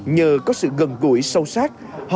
nhờ có sự gần gũi sâu sát